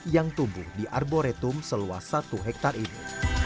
yang tumbuh di arboretum seluas satu hektare ini